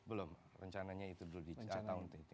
belum rencananya itu dulu di tahun itu